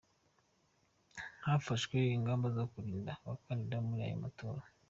Hafashwe ingamba zo kurinda abakandida muri aya matora.